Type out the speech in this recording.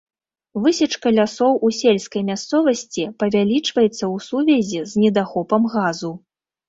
Высечка лясоў у сельскай мясцовасці павялічваецца ў сувязі з недахопам газу.